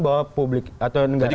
bahwa publik atau negara ini